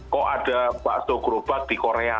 kok ada bakso gerobak di korea